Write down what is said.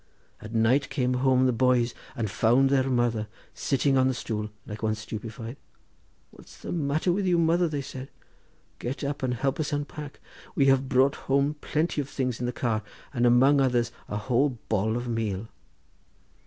At night came home the boys, and found their mother sitting on the stool, like one stupefied. 'What's the matter with you, mother?' they said. 'Get up and help us to unpack. We have brought home plenty of things on the car, and amongst others a whole boll of meal.